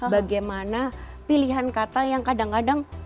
bagaimana pilihan kata yang kadang kadang